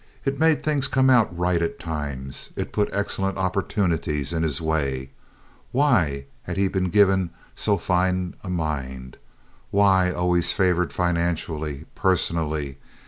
It made things come out right at times. It put excellent opportunities in his way. Why had he been given so fine a mind? Why always favored financially, personally?